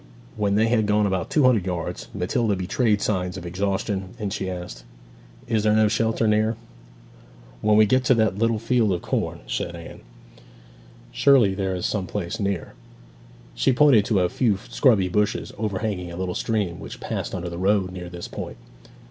When they had gone about two hundred yards Matilda betrayed signs of exhaustion, and she asked, 'Is there no shelter near?' 'When we get to that little field of corn,' said Anne. 'It is so very far. Surely there is some place near?' She pointed to a few scrubby bushes overhanging a little stream, which passed under the road near this point.